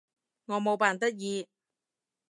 我冇扮得意